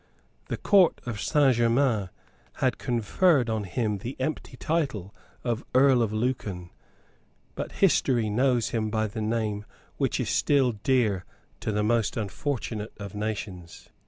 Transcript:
The Court of Saint Germains had conferred on him the empty title of Earl of Lucan; but history knows him by the name which is still dear to the most unfortunate of nations.